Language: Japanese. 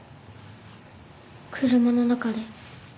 車の中で。